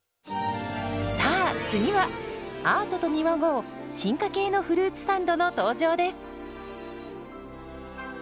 さあ次はアートと見まごう進化系のフルーツサンドの登場です。